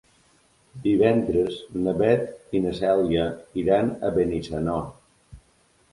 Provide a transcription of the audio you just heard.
Divendres na Beth i na Cèlia iran a Benissanó.